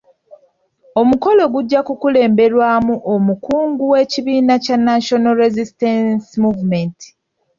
Omukolo gujja kukulemberwamu omukungu w'ekibiina kya National Resisitance Movement.